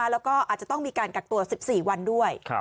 แล้วก็อาจจะต้องมีการกักตัว๑๔วันด้วย